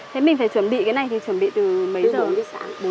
thế mình phải chuẩn bị cái này thì chuẩn bị từ mấy giờ